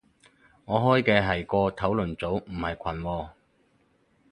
我開嘅係個討論組，唔係群喎